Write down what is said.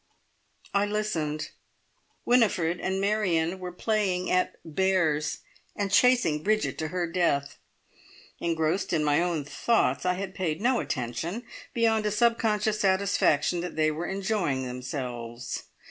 I listened. Winifred and Marion were playing at "bears," and chasing Bridget to her death. Engrossed in my own thoughts, I had paid no attention, beyond a subconscious satisfaction that they were enjoying themselves.